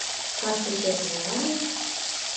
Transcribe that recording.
Кас кечет волале -